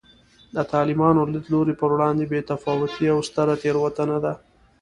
د طالباني لیدلوري پر وړاندې بې تفاوتي یوه ستره تېروتنه ده